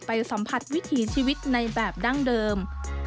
สัมผัสวิถีชีวิตในแบบดั้งเดิม